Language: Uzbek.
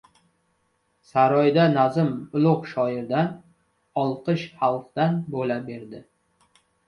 Saroyda nazm ulug‘ shoirdan, olqish xalqdan bo‘la berdi.